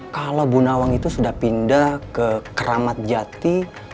kalau bu nawang itu sudah pindah ke keramat jati